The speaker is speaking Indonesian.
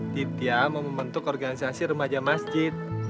ditia mau membentuk organisasi remaja masjid